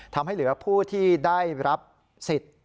ทำให้เหลือผู้ที่ได้รับสิทธิ์